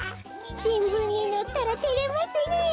しんぶんにのったらてれますねえ。